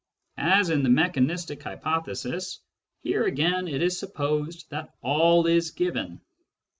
As in the mechanistic hypothesis, here again it is supposed that all is given.